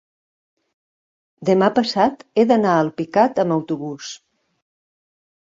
demà passat he d'anar a Alpicat amb autobús.